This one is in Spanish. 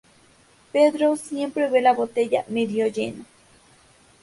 Pedro siempre ve la botella medio llena